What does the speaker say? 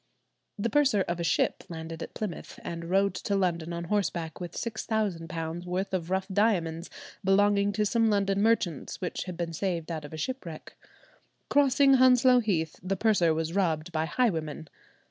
The purser of a ship landed at Plymouth and rode to London on horseback, with £6,000 worth of rough diamonds belonging to some London merchants which had been saved out of a shipwreck. Crossing Hounslow Heath, the purser was robbed by highwaymen.